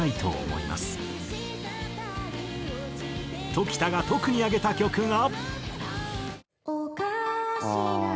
常田が特に挙げた曲が。